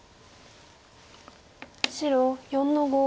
白４の五。